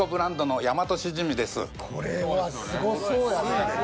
これはすごそうやで。